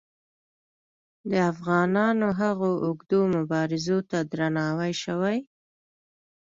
د افغانانو هغو اوږدو مبارزو ته درناوی شوی.